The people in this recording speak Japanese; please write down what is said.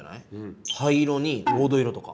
灰色に黄土色とか。